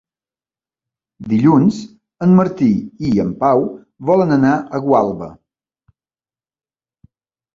Dilluns en Martí i en Pau volen anar a Gualba.